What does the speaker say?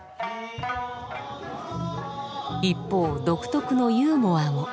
一方独特のユーモアも。